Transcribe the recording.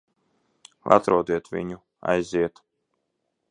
Atrodiet viņu. Aiziet!